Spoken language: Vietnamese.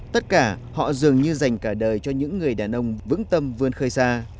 tất cả họ dường như dành cả đời cho những người đàn ông vững tâm vươn khơi xa